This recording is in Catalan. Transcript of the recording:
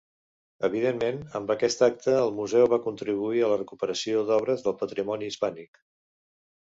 Evidentment, amb aquest acte el museu va contribuir a la recuperació d'obres del patrimoni hispànic.